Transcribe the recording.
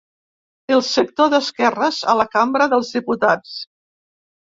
El sector d'esquerres a la cambra dels diputats.